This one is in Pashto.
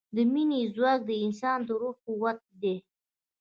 د مینې ځواک د انسان د روح قوت دی.